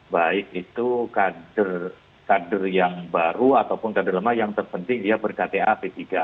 baik itu kader yang baru ataupun kader lemah yang terpenting dia berkta p tiga